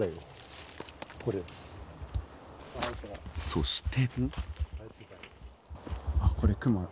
そして。